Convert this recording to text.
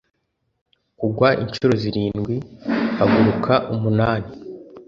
Kugwa inshuro zirindwi, haguruka umunani.